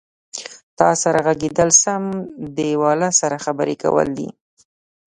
تا سره غږېدل سم دیواله سره خبرې کول دي.